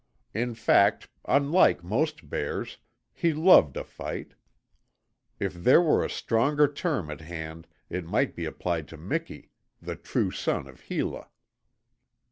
In fact, unlike most bears, he loved a fight. If there were a stronger term at hand it might be applied to Miki, the true son of Hela.